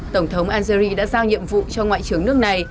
tổng thống algeri đã giao nhiệm vụ cho ngoại trưởng nước này